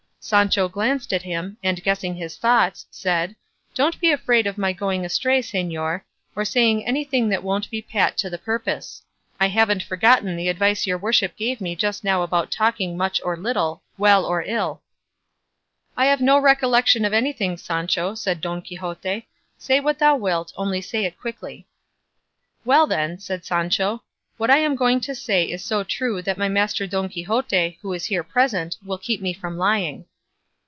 Sancho glanced at him, and guessing his thoughts, said, "Don't be afraid of my going astray, señor, or saying anything that won't be pat to the purpose; I haven't forgotten the advice your worship gave me just now about talking much or little, well or ill." "I have no recollection of anything, Sancho," said Don Quixote; "say what thou wilt, only say it quickly." "Well then," said Sancho, "what I am going to say is so true that my master Don Quixote, who is here present, will keep me from lying."